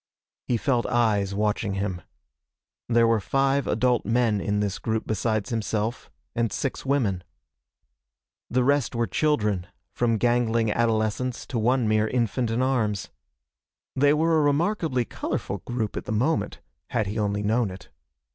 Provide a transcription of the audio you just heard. He felt eyes watching him. There were five adult men in this group besides himself, and six women. The rest were children, from gangling adolescents to one mere infant in arms. They were a remarkably colorful group at the moment, had he only known it.